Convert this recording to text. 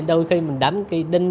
đôi khi mình đánh cái đinh